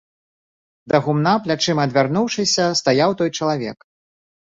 Да гумна плячыма адвярнуўшыся стаяў той чалавек.